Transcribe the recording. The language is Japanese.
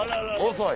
遅い！